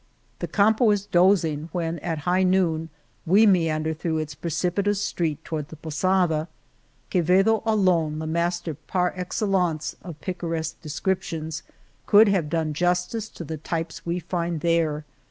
The Campo is dozing when at high noon we meander through its precipitous street toward the posada. Quevedo alone, the master par excellence of picaresque descrip tions, could have done justice to the types we find there.